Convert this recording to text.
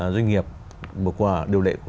doanh nghiệp bởi qua điều lệ của